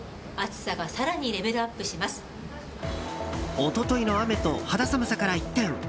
一昨日の雨と肌寒さから一転。